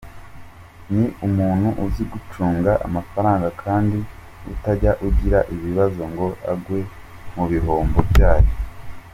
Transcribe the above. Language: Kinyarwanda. Ni umuntu uzi gucunga amafaranga kandi utajya ugira ibibazo ngo agwe mu bihombo byayo.